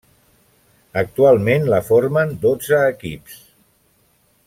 Actualment la formen dotze equips.